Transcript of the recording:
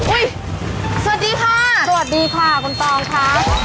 สวัสดีค่ะสวัสดีค่ะคุณตองค่ะ